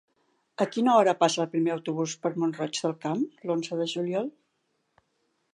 A quina hora passa el primer autobús per Mont-roig del Camp l'onze de juliol?